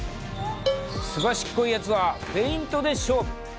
すばしっこいやつはフェイントで勝負。